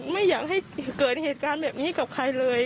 ไม่อยากให้เกิดเหตุการณ์แบบนี้กับใครเลย